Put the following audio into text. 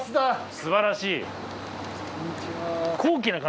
すばらしい。